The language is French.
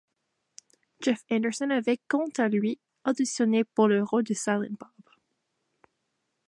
Jeff Anderson avait quant à lui auditionné pour le rôle de Silent Bob.